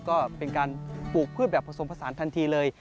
ก็เป็นการปลูกพืชแบบผสมผสานทันทีเลย